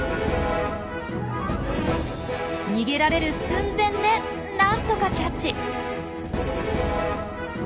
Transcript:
逃げられる寸前でなんとかキャッチ。